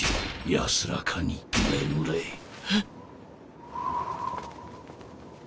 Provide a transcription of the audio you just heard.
安らかに眠れ・え？